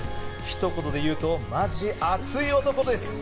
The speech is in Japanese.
一言で言うとマジ熱い男です。